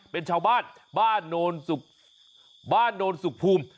เป็นชาวบ้านบ้านโนนสุขภูมิ